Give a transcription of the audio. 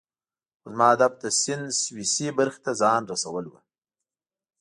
خو زما هدف د سیند سویسی برخې ته ځان رسول وو.